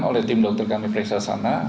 oleh tim dokter kami periksa sana